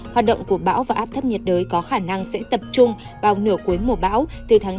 hoạt động của bão và áp thấp nhiệt đới có khả năng sẽ tập trung vào nửa cuối mùa bão từ tháng chín một mươi một